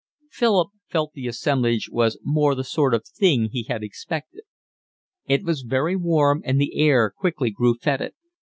Philip felt the assemblage was more the sort of thing he had expected. It was very warm, and the air quickly grew fetid.